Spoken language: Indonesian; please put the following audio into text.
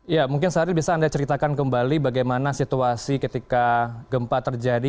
ya mungkin sahril bisa anda ceritakan kembali bagaimana situasi ketika gempa terjadi